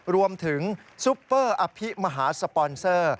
รวมถึงซุปเปอร์อภิมหาสปอนเซอร์